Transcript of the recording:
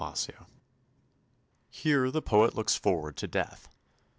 PROSPICE Here the poet looks forward to death.